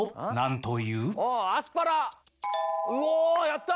うおやった！